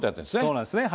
そうなんですね。